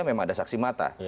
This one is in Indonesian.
memang ada saksi mata